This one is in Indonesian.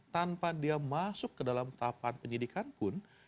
tanpa dia masuk ke dalam tahapan penyidikan pun